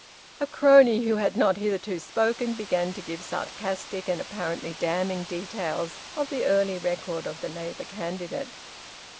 A crony who had not hitherto spoken began to give sarcastic and apparently damning details of the early record of the Labour candidate.